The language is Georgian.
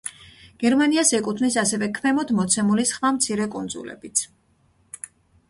გერმანიას ეკუთვნის ასევე ქვემოთ მოცემული სხვა მცირე კუნძულებიც.